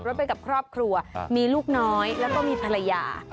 ไปกับครอบครัวมีลูกน้อยแล้วก็มีภรรยา